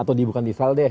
atau bukan di israel deh